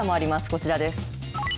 こちらです。